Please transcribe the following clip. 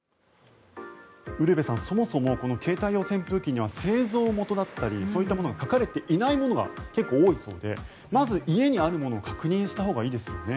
ウルヴェさんそもそもこの携帯用扇風機には製造元だったりそういったものが書かれていないものが多いそうでまず、家にあるものを確認したほうがいいですよね。